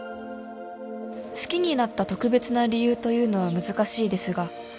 「好きになった特別な理由というのは難しいですが」